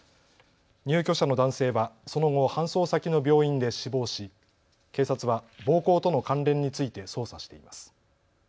入居者の男性はその後、搬送先の病院で死亡し警察は暴行との関連について捜査しています。